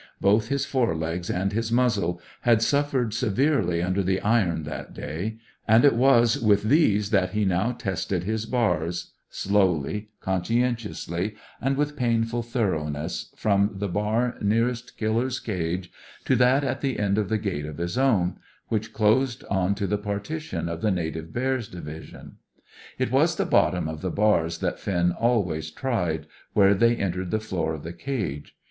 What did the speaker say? Both his fore legs and his muzzle had suffered severely under the iron that day; and it was with these that he now tested his bars, slowly, conscientiously, and with painful thoroughness, from the bar nearest Killer's cage to that at the end of the gate of his own, which closed on to the partition of the native bears' division. It was the bottom of the bars that Finn always tried, where they entered the floor of the cage.